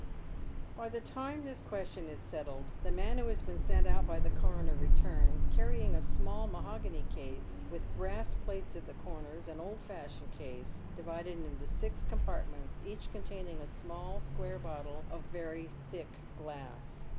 By the time this question is settled the man who has been sent out by the coroner returns, canying a small mahogany case, with bra 's plates at the corners, an old fashioned case divided into six compartments, each containing a small square bottle of very thick glass.